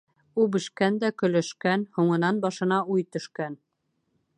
Үбешкән дә көлөшкән -һуңынан башына уй төшкән.